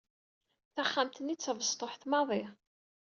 Taxxamt-nni d tabestuḥt maḍi.